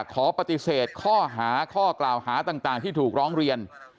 ขอปฏิเสธข้อหาข้อกล่าวหาต่างที่ถูกร้องเรียน